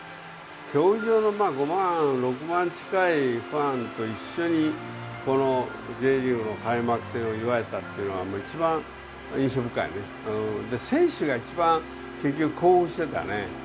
競技場のまあ５万６万近いファンと一緒にこのＪリーグの開幕戦を祝えたっていうのはもう一番印象深いね選手が一番結局興奮してたね